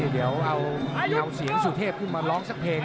เดี๋ยวเราเอาเสียงสุเทพไว้เข้ามาร้องสักเพลง